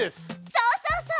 そうそうそう！